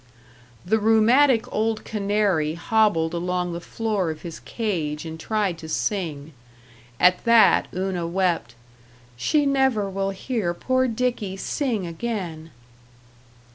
The rheumatic old canary hobbled along the floor of his cage and tried to sing. At that Una wept, "She never will hear poor Dickie sing again."